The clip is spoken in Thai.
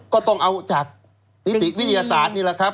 ก็ต้องเอาจากนิติวิทยาศาสตร์นี่แหละครับ